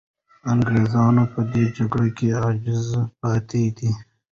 انګریزان په دې جګړه کې عاجز پاتې دي.